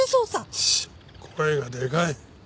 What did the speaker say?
声がでかい！